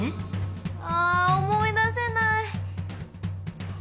あ思い出せない。